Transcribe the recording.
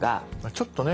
ちょっとね